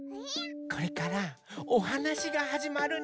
これからおはなしがはじまるんだって。